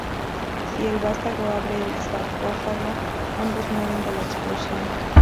Si el vástago abre el sarcófago, ambos mueren en la explosión.